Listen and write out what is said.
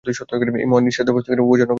এই মহান ঈশ্বরাবতারগণকে উপাসনা করিতে হইবে।